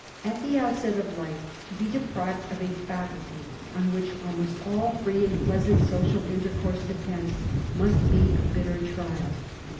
At the outset of life, to be deprived of a faculty on which almost all free and pleasant social intercourse depends must be a bitter trial.